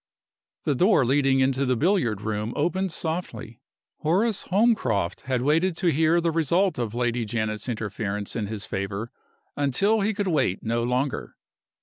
The door leading into the billiard room opened softly. Horace Holmcroft had waited to hear the result of Lady Janet's interference in his favor until he could wait no longer.